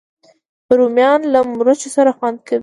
رومیان له مرچو سره خوند کوي